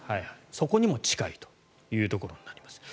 そこにも近いというところになります。